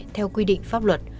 theo quy định pháp luật